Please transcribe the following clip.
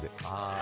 あ。